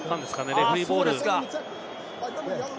レフェリーボール。